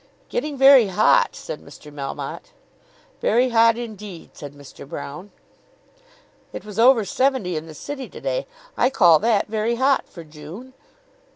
"Getting very hot," said Mr. Melmotte. "Very hot indeed," said Mr. Broune. "It was over 70 in the city to day. I call that very hot for June."